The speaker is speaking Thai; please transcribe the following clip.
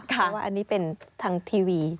เพราะว่าอันนี้เป็นทางทีวี